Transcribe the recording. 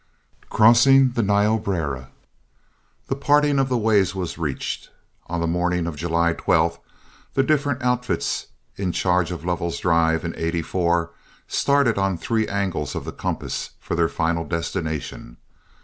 CROSSING THE NIOBRARA The parting of the ways was reached. On the morning of July 12, the different outfits in charge of Lovell's drive in '84 started on three angles of the compass for their final destination.